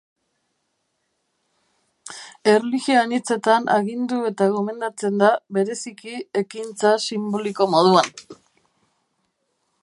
Erlijio anitzetan agindu eta gomendatzen da, bereziki ekintza sinboliko moduan.